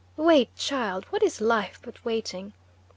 Wait, child! What is life but waiting?